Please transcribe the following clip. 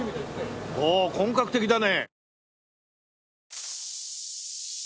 おお本格的だね。